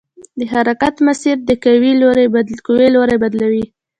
د حرکت مسیر د قوې لوری بدلوي.